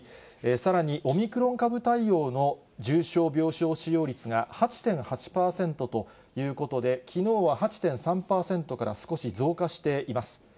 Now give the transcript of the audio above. さらにオミクロン株対応の重症病床使用率が８．８％ということで、きのうは８．３％から少し増加しています。